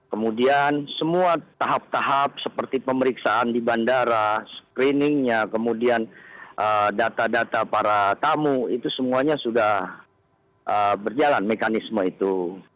kemudian semua tahap tahap seperti pemeriksaan di bandara screeningnya kemudian data data para tamu itu semuanya sudah berjalan mekanisme itu